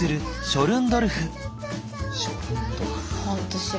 ショルンドルフ。